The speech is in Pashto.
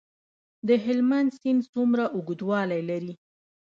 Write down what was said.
د هلمند سیند څومره اوږدوالی لري؟